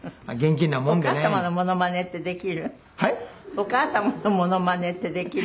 お母様のモノマネってできる？